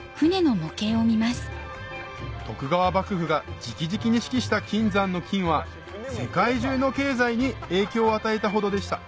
徳川幕府が直々に指揮した金山の金は世界中の経済に影響を与えたほどでした